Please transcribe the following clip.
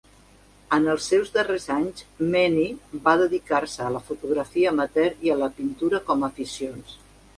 En els seus darrers anys, Meany va dedicar-se a la fotografia amateur i a la pintura com a aficions.